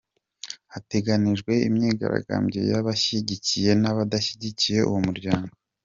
Hateganijwe imyigaragambyo y'abashyigikiye n'abadashyigikiye uwo muryango.